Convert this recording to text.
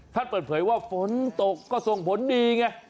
ท่านเปิดเผยว่าฝนตกก็ส่งผลดีไง